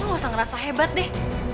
gak usah ngerasa hebat deh